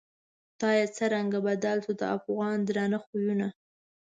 خدایه څرنگه بدل شوو، د افغان درانه خویونه